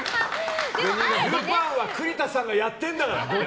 ルパンは栗田さんがやってるんだから！